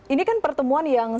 ini kan pertemuan yang